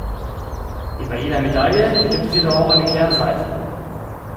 Wie bei jeder Medaille gibt es jedoch auch eine Kehrseite.